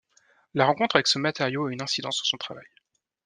La rencontre avec ce matériau a une incidence sur son travail.